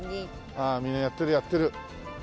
ああみんなやってるやってる。